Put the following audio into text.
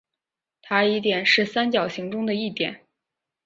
塔里点是三角形中的一点。